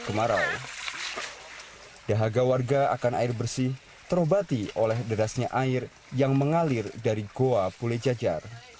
kemarau dahaga warga akan air bersih terobati oleh derasnya air yang mengalir dari goa pulejajar